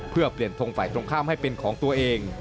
เพื่อเปลี่ยนทงฝ่ายตรงข้ามให้เป็นของตัวเอง